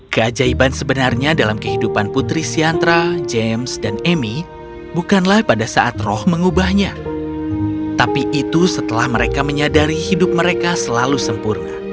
keajaiban sebenarnya dalam kehidupan putri siantra james dan amy bukanlah pada saat roh mengubahnya tapi itu setelah mereka menyadari hidup mereka selalu sempurna